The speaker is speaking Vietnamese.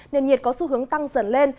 nền nhiệt có xu hướng tăng dần lên